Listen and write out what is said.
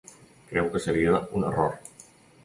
Crec que seria un error.